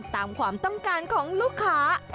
ตามความต้องการของลูกค้า